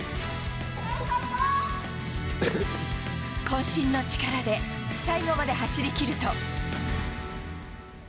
こん身の力で、最後まで走りきると。